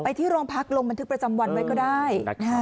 ที่โรงพักลงบันทึกประจำวันไว้ก็ได้